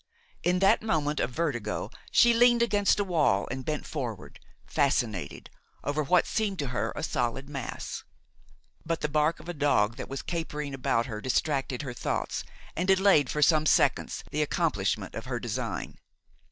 In that moment of vertigo she leaned against a wall and bent forward, fascinated, over what seemed to her a solid mass. But the bark of a dog that was capering about her distracted her thoughts and delayed for some seconds the accomplishment of her design.